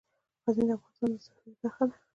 غزني د افغانستان د طبیعت برخه ده.